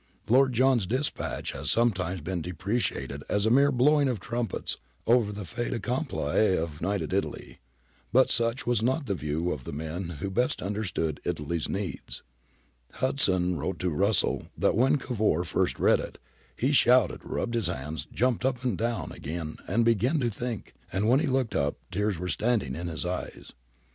^ Lord John's dispatch has sometimes been de preciated as a mere blowing of trumpets over the fait accompli of United Italy. But such was not the view of the men who best understood Italy's needs. Hudson wrote to Russell that when Cavour first read it, 'he shouted, rubbed his hands, jumped up, sat down again, then began to think, and when he looked up tears were standing in his eyes.